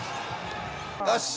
よし。